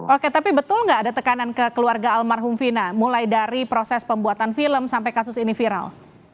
oke tapi betul nggak ada tekanan ke keluarga almarhum vina mulai dari proses pembuatan film sampai kasus ini viral